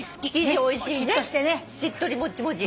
しっとりもちもち。